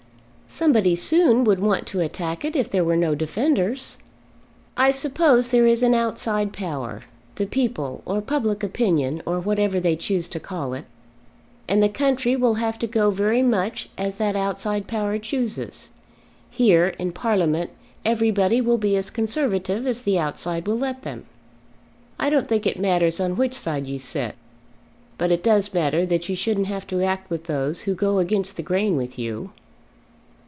"Somebody soon would want to attack it if there were no defenders." "I suppose there is an outside power, the people, or public opinion, or whatever they choose to call it. And the country will have to go very much as that outside power chooses. Here, in Parliament, everybody will be as Conservative as the outside will let them. I don't think it matters on which side you sit; but it does matter that you shouldn't have to act with those who go against the grain with you."